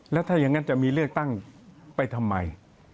แล้วถ้าอย่างนั้นจะมีเลือกตั้งไปทำไม